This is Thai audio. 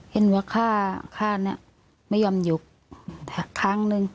เห็นว่าข้านี้ไม่ยอมหยุกครั้งหนึ่ง